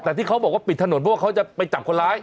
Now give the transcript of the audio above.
แต่ที่เขาบอกว่าปิดถนนเพราะว่าเขาจะไปจับคนร้าย